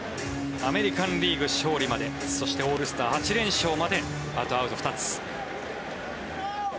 アメリカン・リーグ勝利までそしてオールスター８連勝まであとアウト２つ。